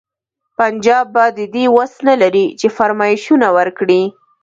پنجاب به د دې وس نه لري چې فرمایشونه ورکړي.